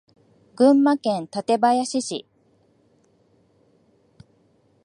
群馬県館林市